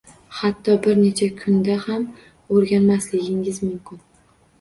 Hatto bir necha kunda ham o’rganmasligingiz mumkin